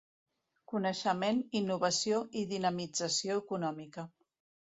Coneixement, innovació i dinamització econòmica.